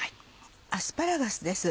アスパラガスです。